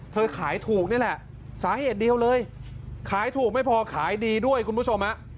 ขายถูกนี่แหละสาเหตุเดียวเลยขายถูกไม่พอขายดีด้วยคุณผู้ชมฮะ